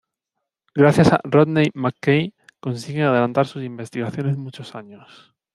Gracias a Rodney McKay consiguen adelantar sus investigaciones muchos años.